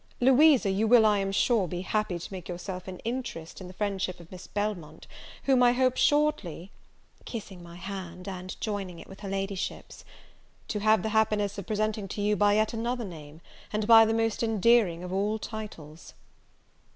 Louisa, you will, I am sure, be happy to make yourself an interest in the friendship of Miss Belmont, whom I hope shortly (kissing my hand, and joining it with her Ladyship's) to have the happiness of presenting to you by yet another name, and by the most endearing of all titles."